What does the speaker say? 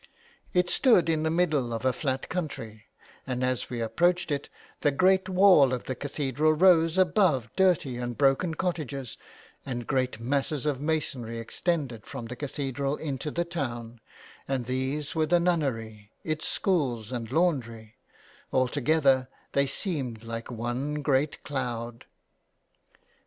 It stood in the middle of a flat country, and as we approached it the great wall of the cathedral rose above dirty and broken cottages, and great masses of masonry extended from the cathedral into the town ; and these were the nunnery, its schools and laundry ; altogether they seemed like one great cloud.